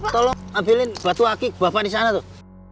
tolong ambilin batu akik bapak disana tuh